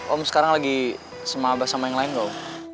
om sekarang lagi sama abah sama yang lain gak om